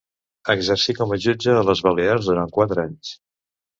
Exercí com a jutge a les Balears durant quatre anys.